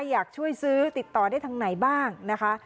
อยากช่วยซื้อติดต่อได้ทางไหนบ้างนะคะ